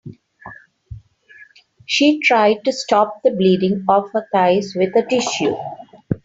She tried to stop the bleeding of her thighs with a tissue.